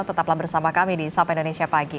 tetaplah bersama kami di sapa indonesia pagi